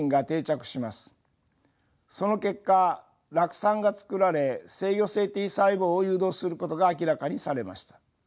その結果酪酸が作られ制御性Ｔ細胞を誘導することが明らかにされました。